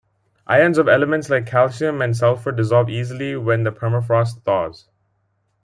Ions of elements like calcium and sulphur dissolve easily when the permafrost thaws.